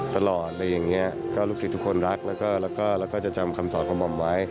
ตลอดอะไรอย่างนี้ก็ลูกศิษย์ทุกคนรักแล้วก็จะจำคำสอนของหม่อมไว้